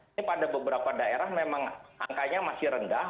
ini pada beberapa daerah memang angkanya masih rendah